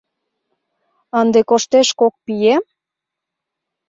Ынде коштеш кок пием?